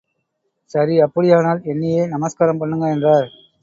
சரி அப்படியானால் என்னையே நமஸ்காரம் பண்ணுங்க என்றார்.